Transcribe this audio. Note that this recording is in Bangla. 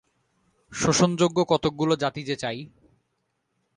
শোষণযোগ্য কতকগুলি জাতি যে চাই।